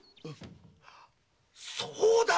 そうだ！